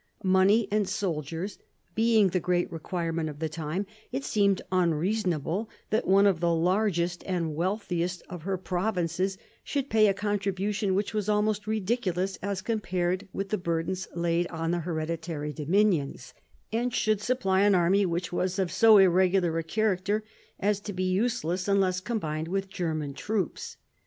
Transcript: Money and soldiers being the great require ments of the time, it seemed unreasonable that one of the largest and wealthiest of her provinces should pay a % contribution which was almost ridiculous as compared with the burdens laid on the hereditary dominions, and should supply an army which was of so irregular a character as to be useless unless combined with German troops.